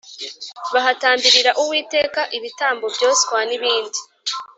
bahatambirira uwiteka ibitambo byoswa n ibindi